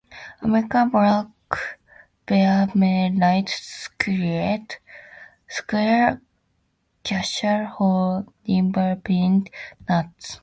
American black bears may raid squirrel caches for limber pine nuts.